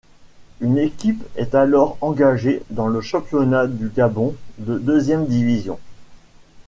Une équipe est alors engagée dans le championnat du Gabon de deuxième division.